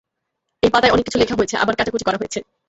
এই পাতায় অনেক কিছুই লেখা হয়েছে, আবার কাটাকুটি করা হয়েছে।